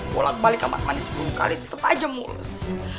bolak balik amat amatnya sebelum kali tetep aja mulus